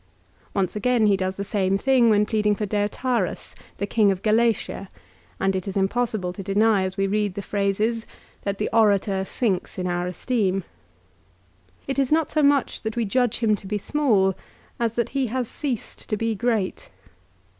Once again he does the same thing when pleading for Deiotarus the King of Galatia, and it is impossible to deny as we read the phrases, that the orator sinks in our esteem. It is not so much that we judge him to be small as that he has ceased to be great.